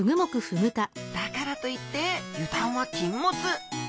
だからといって油断は禁物。